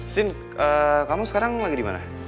scene kamu sekarang lagi di mana